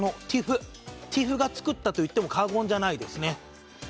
ＴＩＦがつくったと言っても過言じゃないですね。